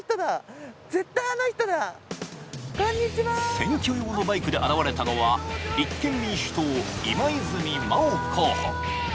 選挙用のバイクで現れたのは立憲民主党・今泉真緒候補。